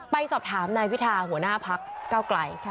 ไปสอบถามนายวิทาหัวหน้าพักเก้าไกล